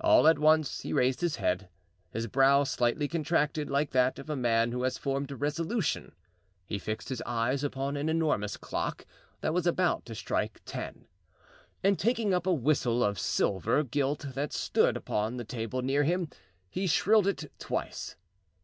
All at once he raised his head; his brow slightly contracted like that of a man who has formed a resolution; he fixed his eyes upon an enormous clock that was about to strike ten, and taking up a whistle of silver gilt that stood upon the table near him, he shrilled it twice.